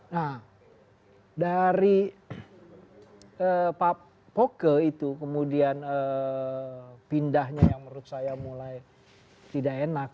nah dari pak poke itu kemudian pindahnya yang menurut saya mulai tidak enak